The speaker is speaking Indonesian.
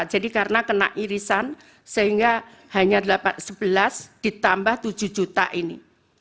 jadi karena kena irisan sehingga hanya sebelas ditambah tujuh juta ini